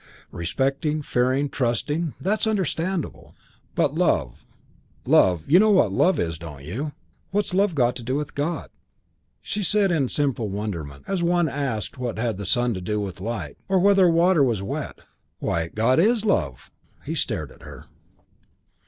Respecting, fearing, trusting, that's understandable. But love, love, you know what love is, don't you? What's love got to do with God?" She said in simple wonderment, as one asked what had the sun to do with light, or whether water was wet, "Why, God is love." He stared at her.